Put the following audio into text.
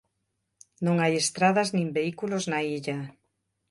Non hai estradas nin vehículos na illa.